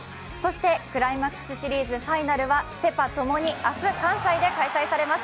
クライマックスシリーズ・ファイナルはセ・パともに明日関西で開催されます。